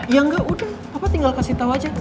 iya enggak udah papa tinggal kasih tau aja